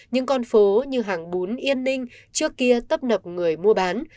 những con phố như hàng bún yên ninh trước kia tấp nập người mua bán